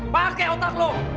pakai otak lo